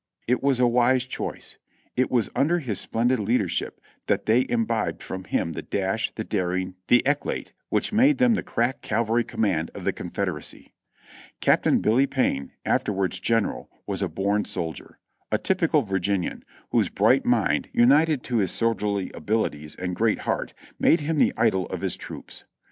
It was a wise choice ; it was under his splendid leadership that they imbibed from him the dash, the daring, the eclat, which made them the crack cavalry command of the Confederacy, Captain Billy Payne, afterwards General, was a born soldier, a typical Virginian, whose bright mind, united to his soldierly abili ties and great heart, made him the idol of his troops.